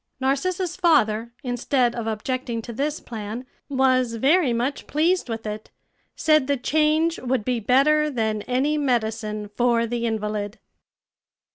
Narcissa's father, instead of objecting to this plan, was very much pleased with it said the change would be better than any medicine for the invalid.